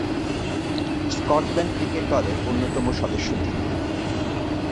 Scotland cricket দলের অন্যতম সদস্য তিনি।